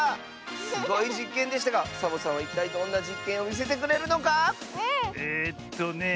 すごいじっけんでしたがサボさんはいったいどんなじっけんをみせてくれるのか⁉えっとね